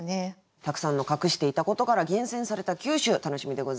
たくさんの「隠していたこと」から厳選された９首楽しみでございます。